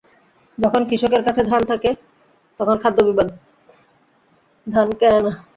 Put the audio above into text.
যখন কৃষকের কাছে ধান থাকে, তখন খাদ্য বিভাগ ধান কেনে না।